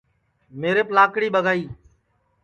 میریپ لاکڑی ٻگائی